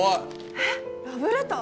えっラブレター？